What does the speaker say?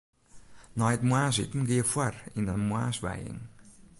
Nei it moarnsiten gie er foar yn in moarnswijing.